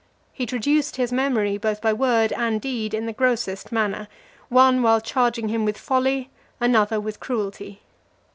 He traduced his memory both by word and deed in the grossest manner; one while charging him with folly, another while with cruelty.